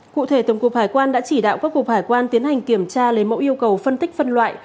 cụ thể tổng cục hải quan đã chỉ đạo các cục hải quan tiến hành kiểm tra lấy mẫu yêu cầu phân tích phân loại